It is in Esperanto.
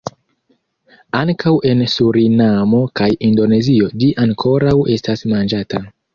Ankaŭ en Surinamo kaj Indonezio ĝi ankoraŭ estas manĝata.